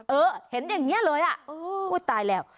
เออเห็นอย่างนี้เลยอ่ะอุ้ยตายแล้ว